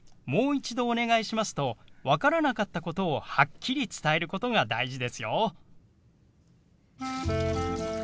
「もう一度お願いします」と分からなかったことをはっきり伝えることが大事ですよ。